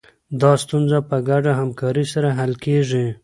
دا ستونزه په ګډه همکارۍ سره حل کېږي.